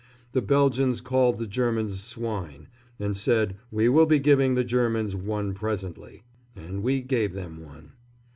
The Belgians called the Germans "swine," and said, "we will be giving the Germans one presently!" And we gave them one.